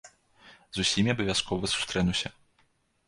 З усімі абавязкова сустрэнуся.